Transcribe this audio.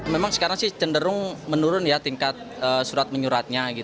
memang sekarang cenderung menurun tingkat surat menyuratnya